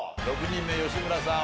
６人目吉村さん